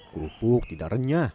kerupuk tidak renyah